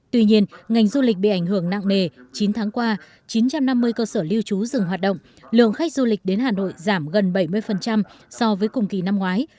tuy nhiên ngành du lịch bị ảnh hưởng nặng nề chín tháng qua chín trăm năm mươi cơ sở lưu trú dừng hoạt động lượng khách du lịch đến hà nội giảm gần bảy mươi so với cùng kỳ năm ngoái